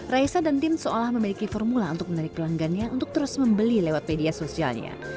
raisa dan tim seolah memiliki formula untuk menarik pelanggannya untuk terus membeli lewat media sosialnya